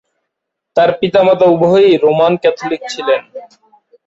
তার পিতামাতা উভয়েই রোমান ক্যাথলিক ছিলেন।